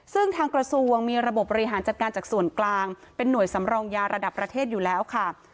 ซึ่งทางกระทรวงมีระบบบบริหารจัดการจากส่วนกลางเป็นหน่วยสำรองยาระดับประเทศอยู่แล้วค่ะ